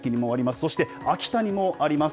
そして秋田にもあります。